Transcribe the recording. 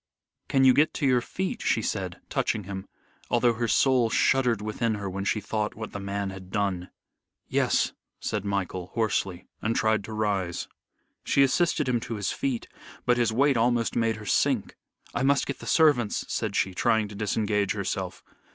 "Can you get to your feet?" she said, touching him, although her soul shuddered within her when she thought what the man had done. "Yes," said Michael, hoarsely, and tried to rise. She assisted him to his feet but his weight almost made her sink. "I must get the servants," said she, trying to disengage herself.